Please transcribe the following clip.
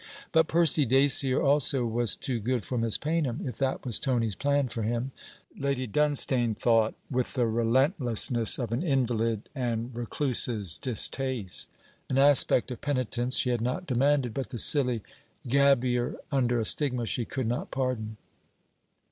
But Percy Dacier also was too good for Miss Paynham, if that was Tony's plan for him, Lady Dunstane thought, with the relentlessness of an invalid and recluse's distaste. An aspect of penitence she had not demanded, but the silly gabbier under a stigma she could not pardon.